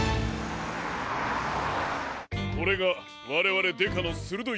これがわれわれデカのするどいちょっ